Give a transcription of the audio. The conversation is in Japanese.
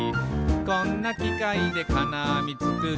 「こんなきかいでかなあみつくる」